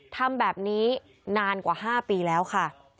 ทำแบบนี้นานกว่า๕ปีแล้วค่ะ